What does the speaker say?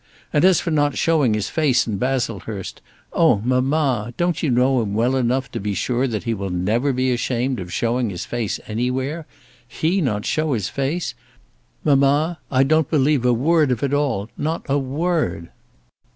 And as for not showing his face in Baslehurst ! Oh, mamma! don't you know him well enough to be sure that he will never be ashamed of showing his face anywhere? He not show his face! Mamma, I don't believe a word of it all, not a word."